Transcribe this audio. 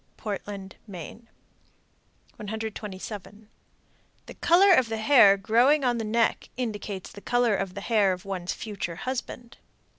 Portland, Me. 127. The color of the hair growing on the neck indicates the color of the hair of one's future husband.